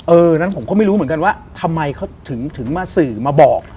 นั้นผมก็ไม่รู้เหมือนกันว่าทำไมเขาถึงมาสื่อมาบอก